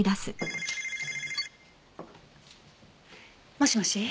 もしもし。